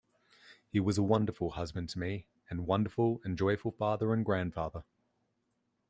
He was a wonderful husband to me, and wonderful and joyful father and grandfather.